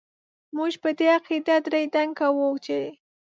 موږ په دې عقيده دړي دنګ کاوو چې ...